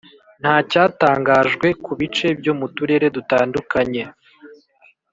ntacyatangajwe ku bice byo mu turere dutandukanye